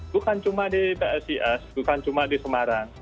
bukan cuma di psis bukan cuma di semarang